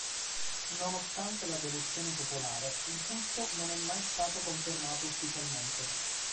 Nonostante la devozione popolare, il culto non è mai stato confermato ufficialmente.